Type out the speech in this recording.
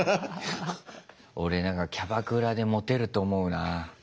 俺キャバクラでモテると思うなぁ。